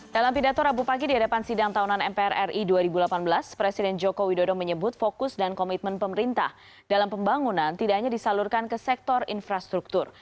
dalam pidato rabu pagi di hadapan sidang tahunan mpr ri dua ribu delapan belas presiden joko widodo menyebut fokus dan komitmen pemerintah dalam pembangunan tidak hanya disalurkan ke sektor infrastruktur